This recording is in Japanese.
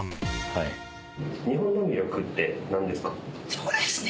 そうですね